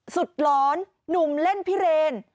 สุดร้อนหนุ่มเล่นพิเรณ